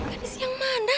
gadis yang mana